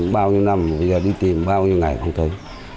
bao nhiêu năm giờ đi tìm bao nhiêu ngày không thấy